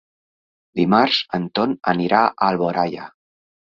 Dimarts en Ton anirà a Alboraia.